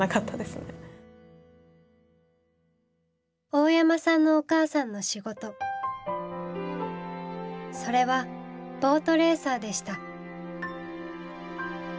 大山さんのお母さんの仕事それはボートレーサーでした。